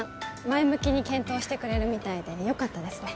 前向きに検討してくれるみたいでよかったですね